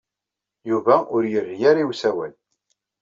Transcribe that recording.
Yuba ur yerri ara i usawal.